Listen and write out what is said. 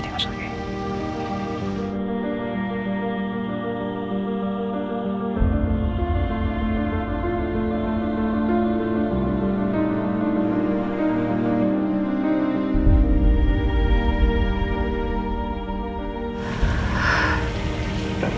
kau yakin semuanya baik